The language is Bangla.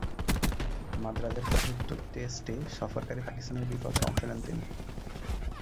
মাদ্রাজের চতুর্থ টেস্টে সফরকারী পাকিস্তানের বিপক্ষে অংশ নেন তিনি।